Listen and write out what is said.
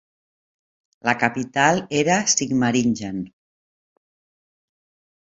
La capital era Sigmaringen.